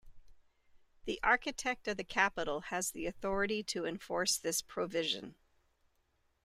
The Architect of the Capitol has the authority to enforce this provision.